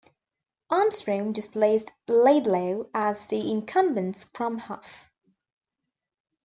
Armstrong displaced Laidlaw as the incumbent scrum half.